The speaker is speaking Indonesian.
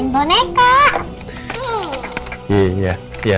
biar aku bisa ajak main boneka